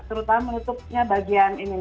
terutama menutupnya bagian ini